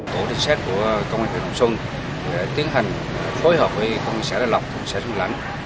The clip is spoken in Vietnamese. tổ định xét của công an thị trường xuân tiến hành phối hợp với công an xã đà lộc xã xuân lãnh